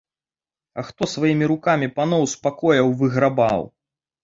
А хто сваімі рукамі паноў з пакояў выграбаў?